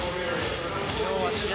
昨日は試合